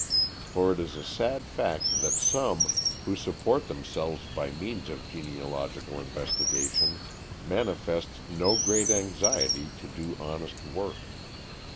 For it is a sad fact that some, who support themselves by means of genealogical investigation, manifest no great anxiety to do honest work.